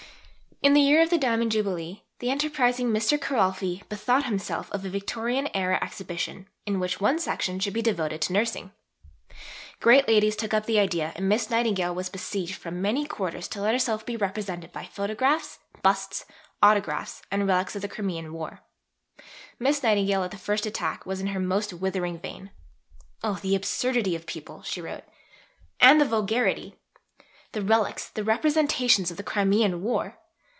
In the year of the Diamond Jubilee, the enterprising Mr. Kiralfy bethought himself of a Victorian Era Exhibition, in which one section should be devoted to Nursing. Great ladies took up the idea, and Miss Nightingale was besieged from many quarters to let herself be "represented" by photographs, busts, autographs, and "relics of the Crimean War." Miss Nightingale at the first attack was in her most withering vein. "Oh the absurdity of people," she wrote, "and the vulgarity! The 'relics,' the 'representations' of the Crimean War!